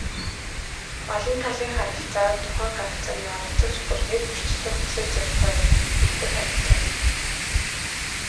Олон талын харилцаа тухайн харилцааны оролцогч бүр нэгбүрчилсэн хүсэл зоригоо илэрхийлдэг харилцаа юм.